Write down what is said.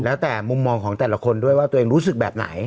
แล้วแต่มุมมองของแต่ละคนด้วยว่าตัวเองรู้สึกแบบไหน